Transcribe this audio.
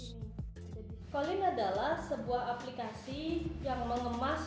call in adalah sebuah aplikasi yang mengemas